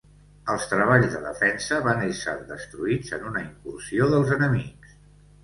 Els treballs de defensa van ésser destruïts en una incursió dels enemics.